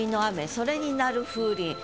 それに鳴る風鈴。